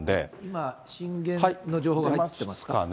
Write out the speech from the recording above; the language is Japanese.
今、震源の情報が入ってます。